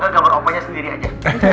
kalau nggak gambar opahnya sendiri aja